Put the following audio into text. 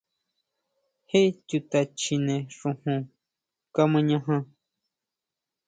¿Jé chuta chjine xujun kamañajan?